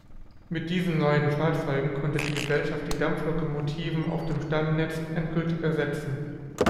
Mit diesen neuen Fahrzeugen konnte die Gesellschaft die Dampflokomotiven auf dem Stammnetz endgültig ersetzen.